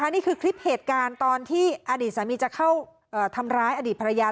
นี่คือคลิปเหตุการณ์ตอนที่อดีตสามีจะเข้าทำร้ายอดีตภรรยา